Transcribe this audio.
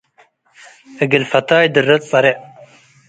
እግል ፈታይ ድረት ጸርዕ